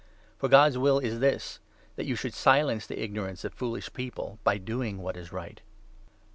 For God's will is this — that you should silence the 15 ignorance of foolish people by doing what is right.